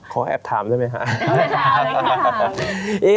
ขอแอบถามได้ไหมค่ะ